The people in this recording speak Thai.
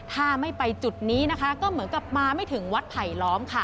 ถ้าไม่ไปจุดนี้นะคะก็เหมือนกับมาไม่ถึงวัดไผลล้อมค่ะ